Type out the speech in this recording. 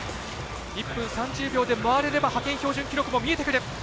１分３０秒で回れれば派遣標準記録も見えてくる。